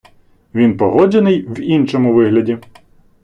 Він погоджений в іншому вигляді.